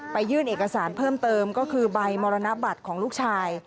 ยื่นเอกสารเพิ่มเติมก็คือใบมรณบัตรของลูกชาย